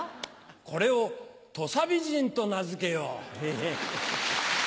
これを土佐美人と名付けよう。